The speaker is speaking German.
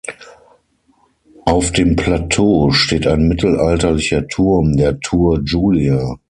Auf dem Plateau steht ein mittelalterlicher Turm, der "Tour Julia".